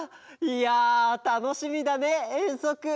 いやたのしみだねえんそく！